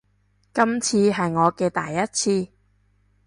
今次係我嘅第一次